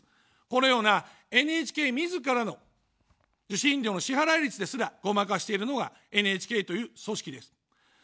このようなＮＨＫみずからの、受信料の支払い率ですら、ごまかしているのがＮＨＫという組織です。